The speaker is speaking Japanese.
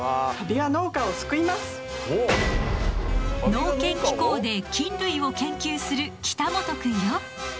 農研機構で菌類を研究する北本くんよ。